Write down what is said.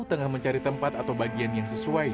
tengah mencari tempat atau bagian yang sesuai